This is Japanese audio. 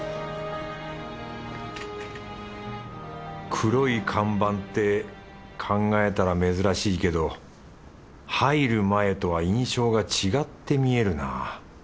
黒い看板って考えたら珍しいけど入る前とは印象が違って見えるな。